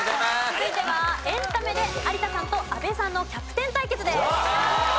続いてはエンタメで有田さんと阿部さんのキャプテン対決です。